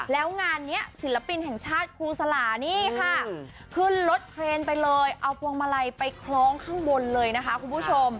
แล้วงานนี้ศิลปินแห่งชาติครูสลานี่ค่ะขึ้นรถเครนไปเลยเอาพวงมาลัยไปคล้องข้างบนเลยนะคะคุณผู้ชม